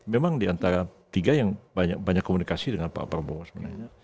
memang diantara tiga yang banyak komunikasi dengan pak prabowo sebenarnya